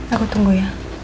aku tunggu ya